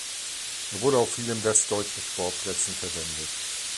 Er wurde auf vielen westdeutschen Sportplätzen verwendet.